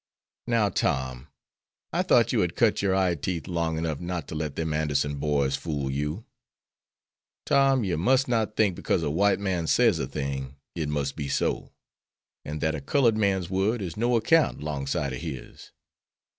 "Now, Tom, I thought you had cut your eye teeth long enough not to let them Anderson boys fool you. Tom, you must not think because a white man says a thing, it must be so, and that a colored man's word is no account 'longside of his.